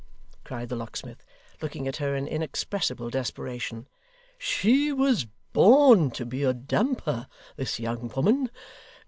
cried the locksmith, looking at her in inexpressible desperation. 'She was born to be a damper, this young woman!